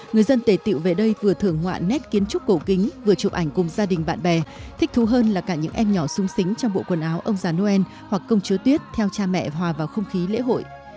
người dân tề tiệu về đây vừa thưởng họa nét kiến trúc cổ kính vừa chụp ảnh cùng gia đình bạn bè thích thú hơn là cả những em nhỏ sung sính trong bộ quần áo ông già noel hoặc công chúa tuyết theo cha mẹ hòa vào không khí lễ hội